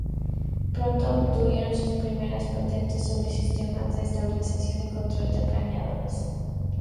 Pronto obtuvieron sus primeras patentes sobre sistemas de estabilización y control de planeadores.